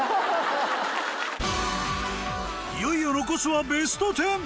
いよいよ残すはベスト１０。